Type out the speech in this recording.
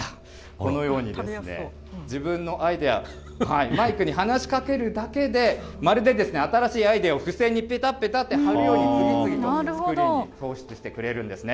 このようにですね、自分のアイデア、マイクに話しかけるだけで、まるで新しいアイデアを付箋にぺたぺたって貼るように、次々とスクリーンに送出してくれるんですね。